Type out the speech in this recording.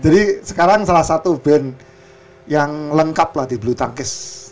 jadi sekarang salah satu band yang lengkap lah di bulu tangis